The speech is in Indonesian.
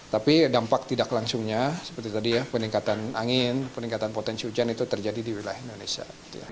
tapi dampak tidak langsungnya seperti tadi ya peningkatan angin peningkatan potensi hujan itu terjadi di wilayah indonesia